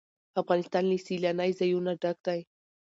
افغانستان له سیلانی ځایونه ډک دی.